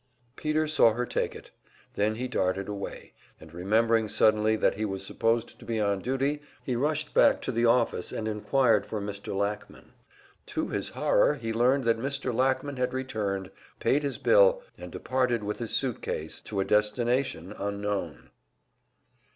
Peter saw her take it then he darted away; and remembering suddenly that he was supposed to be on duty, be rushed back to the office and inquired for Mr. Lackman. To his horror he learned that Mr. Lackman had returned, paid his bill, and departed with his suitcase to a destination unknown!